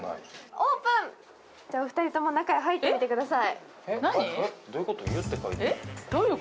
オープン、お二人とも中へ入ってみてください。